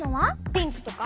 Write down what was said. ピンクとか？